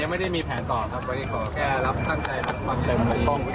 ยังไม่ได้มีแผนต่อครับ